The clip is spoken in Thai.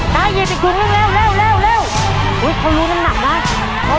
ได้ยิบอีกหนึ่งเร็วเร็วเร็วเร็วอุ้ยเขารู้นั่นหนักนะเขา